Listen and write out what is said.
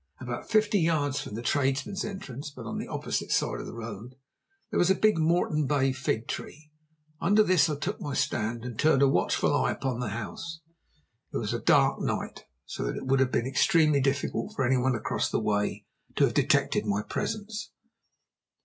About fifty yards from the tradesmen's entrance, but on the opposite side of the road, there was a big Moreton Bay fig tree. Under this I took my stand, and turned a watchful eye upon the house. It was a dark night, so that it would have been extremely difficult for any one across the way to have detected my presence.